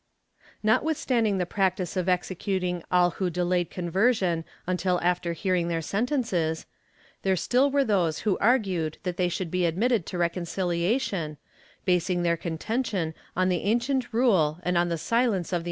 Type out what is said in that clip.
Notwithstanding the practice of executing all who delayed con version until after hearing their sentences, there still were those who argued that they should be admitted to reconciliation, basing their contention on the ancient rule and on the silence of the ' Simancse de Cath.